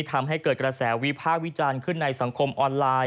ทำให้เกิดกระแสวิพากษ์วิจารณ์ขึ้นในสังคมออนไลน์